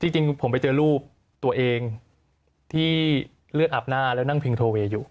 จริงผมไปเจอรูปตัวเองที่เลือดอาบหน้าแล้วนั่งพิงโทเวย์อยู่